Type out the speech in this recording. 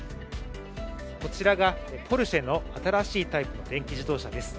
こちらがポルシェの新しいタイプの電気自動車です。